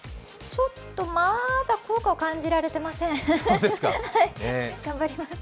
ちょっとまだ効果は感じられていません、頑張ります。